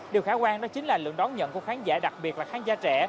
điều khả quan đó chính là lượng đón nhận của khán giả đặc biệt là khán giả trẻ